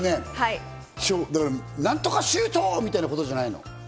何とかシュート！みたいなことじゃないの。